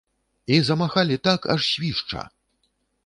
І замахалі так, аж свішча!